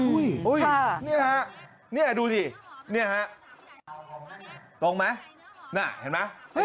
นี่ฮะนี่ดูสิตรงไหมน่าเห็นไหม